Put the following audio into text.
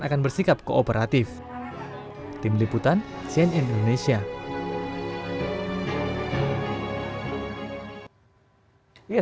akan bersikap kooperatif tim liputan cnn indonesia